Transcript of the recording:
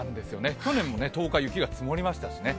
去年も１０日も雪が積もりましたしね